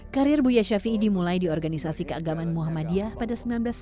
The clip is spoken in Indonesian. karir buya shafi'i dimulai di organisasi keagamaan muhammadiyah pada seribu sembilan ratus sembilan puluh lima